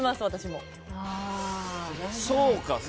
そうか。